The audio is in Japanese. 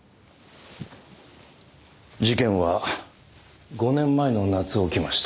事件は５年前の夏起きました。